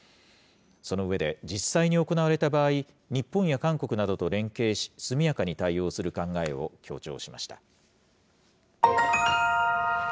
その上で、実際に行われた場合、日本や韓国などと連携し、速やかに対応する考えを強調しました。